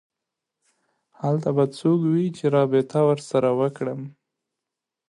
هلته به څوک وي چې رابطه ورسره وکړم